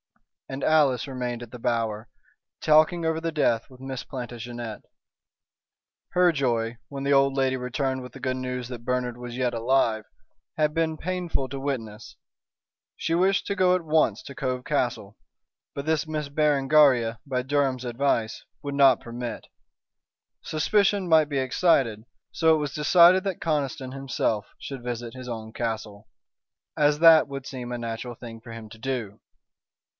And Alice remained at The Bower, talking over the death with Miss Plantagenet. Her joy, when the old lady returned with the good news that Bernard was yet alive, had been painful to witness. She wished to go at once to Cove Castle, but this Miss Berengaria, by Durham's advice, would not permit. Suspicion might be excited, so it was decided that Conniston himself should visit his own castle, as that would seem a natural thing for him to do.